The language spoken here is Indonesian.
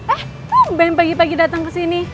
eh kok bener pagi pagi datang kesini